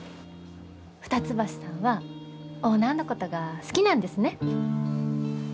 二ツ橋さんはオーナーのことが好きなんですね？